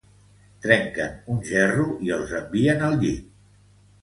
Trenquen un gerro i els envien al llit.